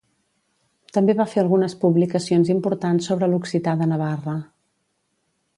També va fer algunes publicacions importants sobre l'occità de Navarra.